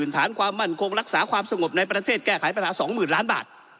ฐานความมั่นคงรักษาความสงบในประเทศแก้ไขปัญหา๒๐๐๐ล้านบาท